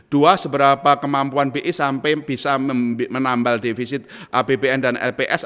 dua seberapa kemampuan bi sampai bisa menambal defisit apbn dan lps